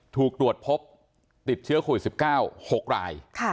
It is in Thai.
ถูกตรวจพบติดเชื้อโควิด๑๙๖ราย